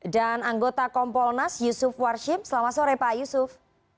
dan anggota kompolnas yusuf warship selamat sore pak yusuf